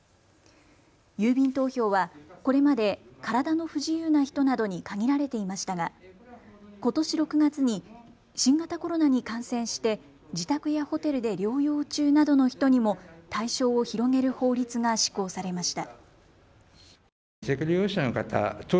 郵便投票は、これまで体の不自由な人などに限られていましたがことし６月に新型コロナに感染して自宅やホテルで療養中などの人にも対象を広げる法律が施行されました。